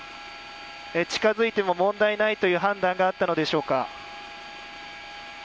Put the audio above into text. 近づいても問題ないという判断があったのでしょうか。